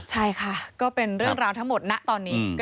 ใช่ค่ะก็เป็นเรื่องราวทั้งหมดนะตอนนี้